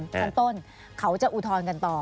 ชั้นต้นเขาจะอุทธรณ์กันต่อ